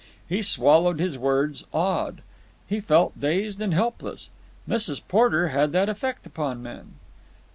He swallowed his words, awed. He felt dazed and helpless. Mrs. Porter had that effect upon men.